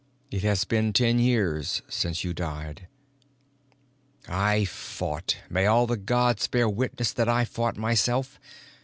It has been ten years since you died _ I fought. May all the gods bear witness that I fought myself.